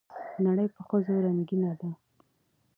نړۍ په ښځو رنګينه ده